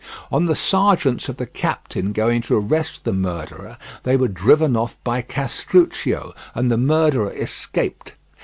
On the sergeants of the captain going to arrest the murderer, they were driven off by Castruccio, and the murderer escaped.